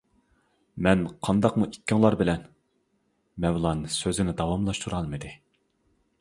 -مەن قانداقمۇ ئىككىڭلار بىلەن. مەۋلان سۆزىنى داۋاملاشتۇرالمىدى.